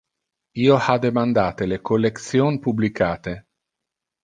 Io ha demandate le collection publicate.